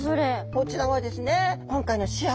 こちらはですね主役？